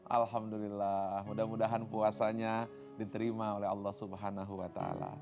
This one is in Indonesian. alhamdulillah mudah mudahan puasanya diterima oleh allah swt